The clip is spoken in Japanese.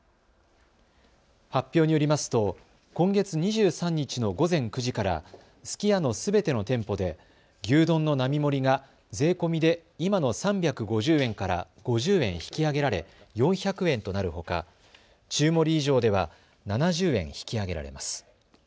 発表によりますと今月２３日の午前９時からすき家のすべての店舗で牛丼の並盛が税込みで今の３５０円から５０円引き上げられ４００円となるほか中盛以上では７０円引き上げられます。